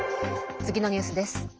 次のニュースです。